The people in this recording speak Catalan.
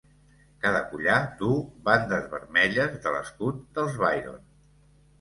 Cada collar duu bandes vermelles de l'escut dels Byron.